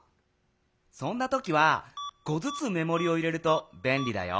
そんなときは５ずつめもりを入れるとべんりだよ。